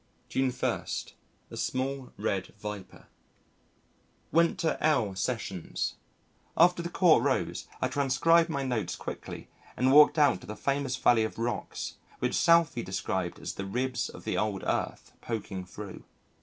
June 1. A Small Red Viper Went to L Sessions. After the Court rose, I transcribed my notes quickly and walked out to the famous Valley of Rocks which Southey described as the ribs of the old Earth poking through.